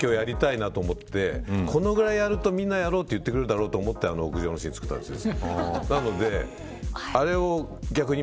またぜひ、次のスペシャルか続きをやりたいなと思ってこのぐらいやると、みんなやろうと言ってくれるだろうと思ってあの屋上のシーンを作ったんですよ。